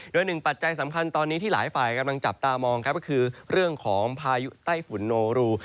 โดยหนึ่งปัจจัยสำคัญตอนนี้ที่หลายฝ่ายกำลังจับตามองครับก็คือเรื่องของพายุไต้ฝุ่นโนรู